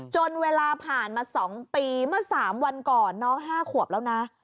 จนเวลาผ่านมา๒ปีเมื่อ๓วันก่อนน้อง๕ขวบแล้วนะ